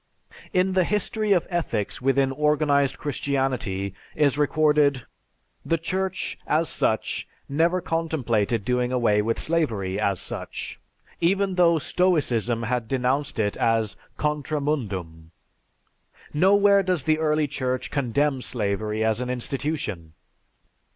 _) In the "History of Ethics Within Organized Christianity" is recorded, "The Church, as such, never contemplated doing away with slavery as such, even though Stoicism had denounced it as 'Contra Mundum.' Nowhere does the early Church condemn slavery as an institution.